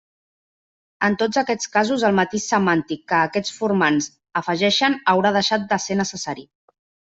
En tots aquests casos el matís semàntic que aquests formants afegeixen haurà deixat de ser necessari.